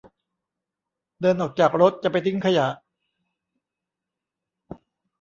เดินออกจากรถจะไปทิ้งขยะ